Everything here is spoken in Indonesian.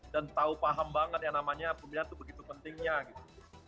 dan tahu paham banget yang namanya pembinaan itu begitu pentingnya gitu